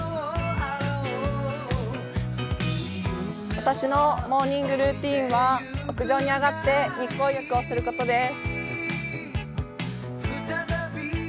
私のモーンングルーチンは屋上に上がって日光浴をすることです。